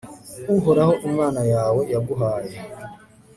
uhoraho imana yawe yaguhaye